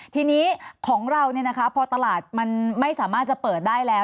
ทีนี้ของเราพอตลาดมันไม่สามารถจะเปิดได้แล้ว